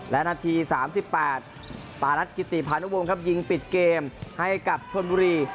และนาที๓๘ปารัฐกิติพานุวงครับยิงปิดเกมให้กับชนบุรี